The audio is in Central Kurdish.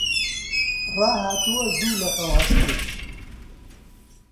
ڕاهاتووە زوو لە خەو هەستێت.